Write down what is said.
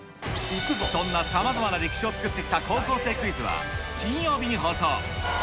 そんなさまざまな歴史を作ってきた高校生クイズは、金曜日に放送。